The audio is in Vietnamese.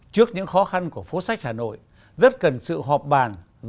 trước những khó khăn của phố sách hà nội rất cần sự họp bàn giữa các đơn vị